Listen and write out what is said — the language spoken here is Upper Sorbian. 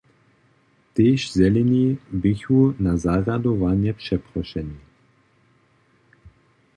Tež Zeleni běchu na zarjadowanje přeprošeni.